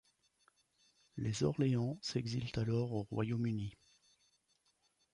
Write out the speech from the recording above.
Les Orléans s'exilent alors au Royaume-Uni.